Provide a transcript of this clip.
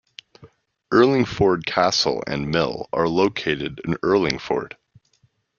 Urlingford Castle and mill are located in Urlingford.